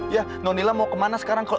ya nonila mau kemana sekarang